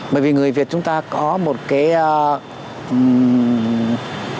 bởi vì người việt chúng ta có một cái